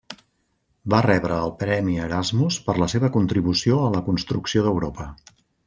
Va rebre el Premi Erasmus per la seva contribució a la construcció d'Europa.